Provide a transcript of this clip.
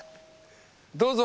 どうぞ！